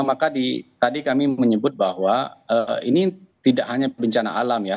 maka tadi kami menyebut bahwa ini tidak hanya bencana alam ya